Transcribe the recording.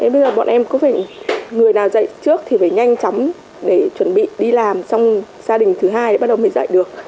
bây giờ bọn em có phải người nào dạy trước thì phải nhanh chóng để chuẩn bị đi làm xong gia đình thứ hai bắt đầu mới dạy được